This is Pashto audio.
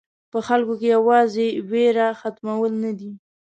په خلکو کې یوازې وېره ختمول نه دي.